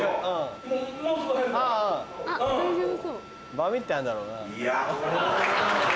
バミってあんだろうな。